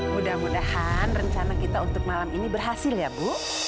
mudah mudahan rencana kita untuk malam ini berhasil ya bu